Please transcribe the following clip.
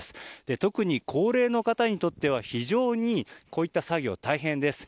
特に高齢の方にとっては、非常にこういった作業大変です。